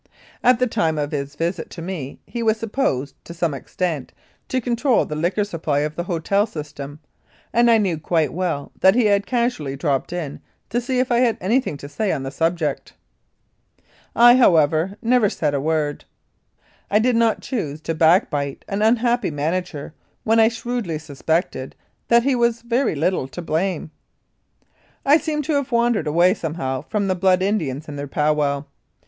At the time of his visit to me he was supposed, to some extent, to control the liquor supply of the hotel system, and I knew quite well that he had casually dropped in to see if I had anything to say on the subject. I, however, said never a word. I did not choose to backbite an unhappy manager when I shrewdly suspected that he was very little to blame. I seem to have wandered away somehow from the Blood Indians and their u pow wow."